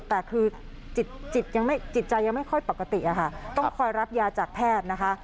แต่คือจิตใจยังไม่ค่อยปกติอะค่ะต้องคอยรับยาจากแพทย์นะคะ